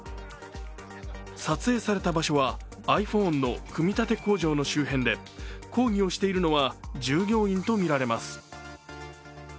撮影された場所はｉＰｈｏｎｅの組み立て工場の周辺で抗議をしているのは、従業員とみられます。